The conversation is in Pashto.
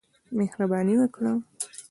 مهرباني وکړه.